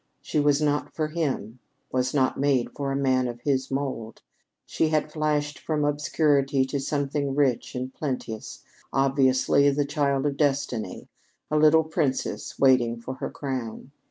She was not for him was not made for a man of his mould. She had flashed from obscurity to something rich and plenteous, obviously the child of Destiny a little princess waiting for her crown.